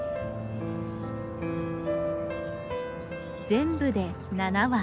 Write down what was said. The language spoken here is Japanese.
全部で７羽。